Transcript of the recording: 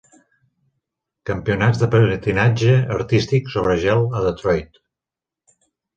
Campionats de patinatge artístic sobre gel a Detroit.